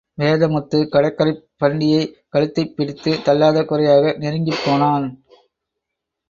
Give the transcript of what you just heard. வேதமுத்து, கடற்கரைப் பாண்டியை கழுத்தைப் பிடித்து தள்ளாத குறையாக, நெருங்கிப் போனான்.